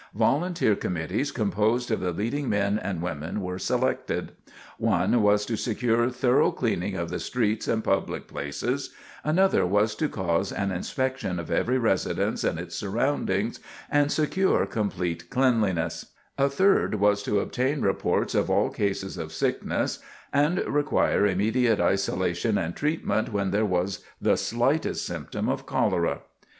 Volunteer committees composed of the leading men and women were selected. One was to secure thorough cleaning of the streets and public places; another was to cause an inspection of every residence and its surroundings and secure complete cleanliness; a third was to obtain reports of all cases of sickness and require immediate isolation and treatment when there was the slightest symptom of cholera.